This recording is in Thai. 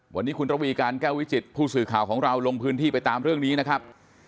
วันนี้คุณระวีการแก้ววิจิตผู้สื่อข่าวของเราลงพื้นที่ไปตามเรื่องนี้นะครับ